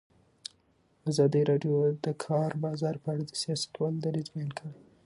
ازادي راډیو د د کار بازار په اړه د سیاستوالو دریځ بیان کړی.